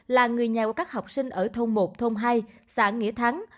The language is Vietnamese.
là người nhà của các học sinh ở thôn một thôn hai xã nghĩa thắng